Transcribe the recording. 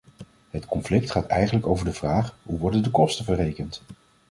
Het conflict gaat eigenlijk over de vraag: hoe worden de kosten verrekend?